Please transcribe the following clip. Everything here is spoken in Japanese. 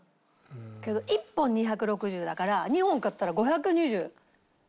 けど１本２６０だから２本買ったら５２０。